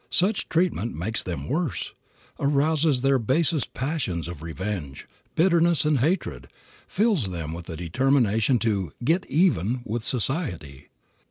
Such treatment makes them worse, arouses their basest passions of revenge, bitterness and hatred, fills them with a determination to "get even" with society.